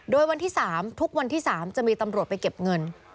โดยวันที่๓ทุกวันที่๓จะมีตำรวจไปเก็บเงิน